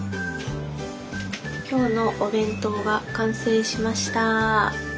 今日のお弁当が完成しました！